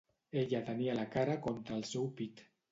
Ella tenia la cara contra el seu pit.